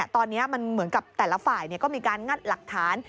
ตอนนี้มันเหมือนกับแต่ละฝ่ายก็มีการงัดหลักฐาน